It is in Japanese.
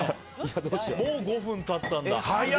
もう５分経ったんだ。